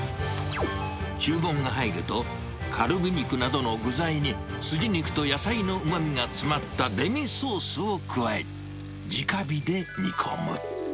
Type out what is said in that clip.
注文が入ると、カルビ肉などの具材にスジ肉と野菜のうまみが詰まったデミソースを加え、じか火で煮込む。